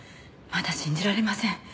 まだ信じられません。